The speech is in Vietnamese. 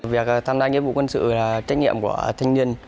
việc tham gia nghĩa vụ quân sự là trách nhiệm của thanh niên